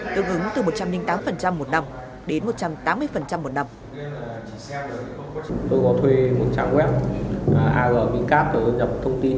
tương ứng từ một trăm linh tám một năm đến một trăm tám mươi một năm